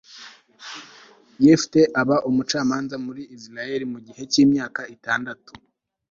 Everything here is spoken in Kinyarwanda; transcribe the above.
yefute aba umucamanza muri israheli mu gihe cy'imyaka itandatu